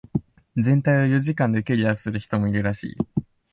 全体を四時間でクリアする人もいるらしい。